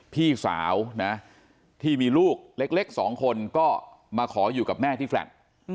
พี่สาวนะที่มีลูกเล็ก๒คนก็มาขออยู่กับแม่ที่แลต์